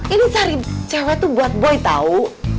ini cari cewek tuh buat boy tau